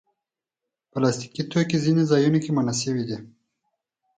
پلاستيکي توکي ځینو ځایونو کې منع شوي دي.